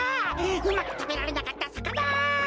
うまくたべられなかったさかな！